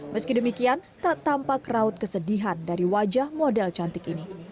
meski demikian tak tampak raut kesedihan dari wajah model cantik ini